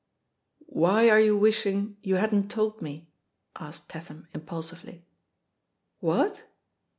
*' "Why are you wishing you hadn't told me?'* asked Tatham impulsively. "What?'